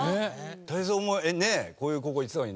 泰造もこういう高校行ってたのにね。